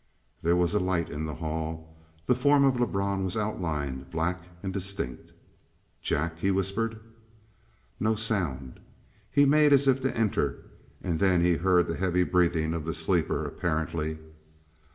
There was a light in the hall; the form of Lebrun was outlined black and distinct.. "Jack!" he whispered. No sound; he made as if to enter, and then he heard the heavy breathing of the sleeper, apparently.